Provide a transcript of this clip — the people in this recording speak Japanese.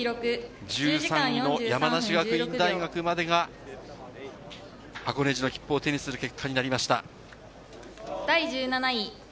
１３位の山梨学院大学までが箱根路の切符を手にする結果になりました。